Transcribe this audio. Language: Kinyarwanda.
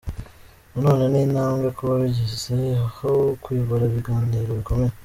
Na none ni intambwe kuba bigeze aho kuyobora ibiganiro bikomeye.